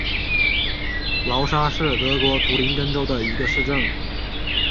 劳沙是德国图林根州的一个市镇。